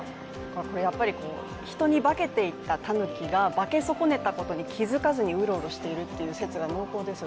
やっぱり人に化けていたたぬきが化け損ねたことに気づかずにうろうろしているという説が濃厚です。